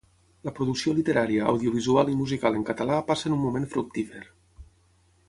La producció literària, audiovisual i musical en català passen un moment fructífer.